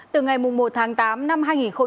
từ ngày một tháng tám năm hai nghìn hai mươi